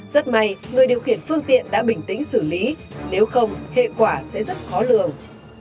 rất may người điều khiển phương tiện đã bình tĩnh xử lý nếu không hệ quả sẽ rất khó lường